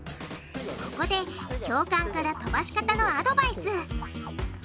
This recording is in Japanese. ここで教官から飛ばし方のアドバイス。